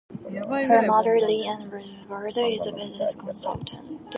Her mother, Lee Ann Rosenbarger, is a business consultant.